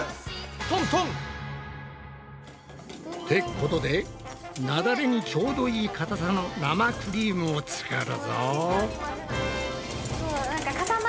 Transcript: トントン！ってことでなだれにちょうどいいかたさの生クリームを作るぞ。